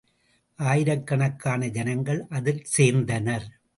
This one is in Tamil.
ஆயிரக்கணக்கான ஜனங்கள் அதில் சேர்ந்தனர்.